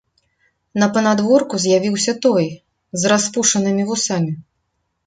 На панадворку з'явіўся той, з распушанымі вусамі.